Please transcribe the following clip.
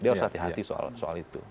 dia harus hati hati soal itu